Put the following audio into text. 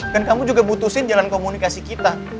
dan kamu juga mutusin jalan komunikasi kita